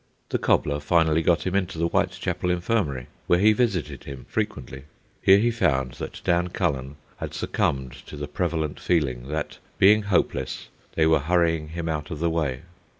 The cobbler finally got him into the Whitechapel Infirmary, where he visited him frequently. Here he found that Dan Cullen had succumbed to the prevalent feeling, that, being hopeless, they were hurrying him out of the way.